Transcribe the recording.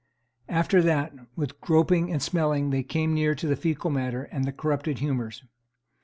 After that, with groping and smelling they came near to the faecal matter and the corrupted humours.